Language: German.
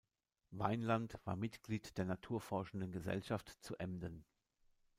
Weinland war Mitglied der Naturforschenden Gesellschaft zu Emden.